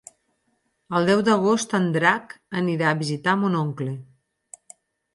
El deu d'agost en Drac anirà a visitar mon oncle.